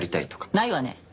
ないわね。